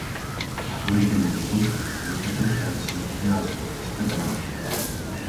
აბორიგენული როკი ძირითადად გავრცელებულია ავსტრალიასა და კანადაში.